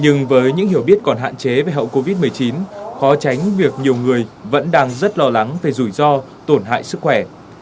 nhưng với những hiểu biết còn hạn chế về hậu covid một mươi chín khó tránh việc nhiều người vẫn đang rất lo lắng về rủi ro tổn hại sức khỏe